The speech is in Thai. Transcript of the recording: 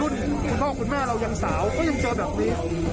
คุณพ่อคุณแม่เรายังสาวก็ยังเจอแบบนี้